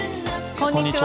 こんにちは。